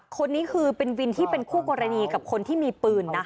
คนนี้คือเป็นวินที่เป็นคู่กรณีกับคนที่มีปืนนะคะ